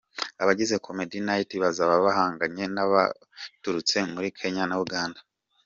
Abagize Comedy Knights bazaba bahanganye nabaturutse muri Kenya na Uganda.